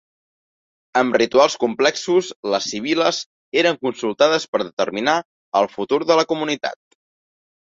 Amb rituals complexos, les sibil·les eren consultades per determinar el futur de la comunitat.